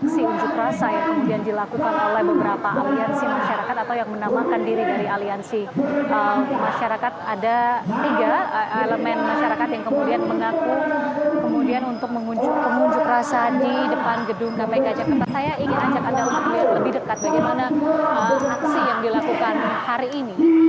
saya ingin ajak anda untuk melihat lebih dekat bagaimana aksi yang dilakukan hari ini